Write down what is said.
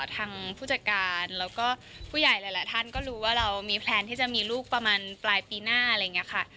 ทางผู้จัดการแล้วก็ผู้ใหญ่หลายท่านก็รู้ว่าเรามีแพลนที่จะมีลูกประมาณปลายปีหน้าอะไรอย่างนี้ค่ะ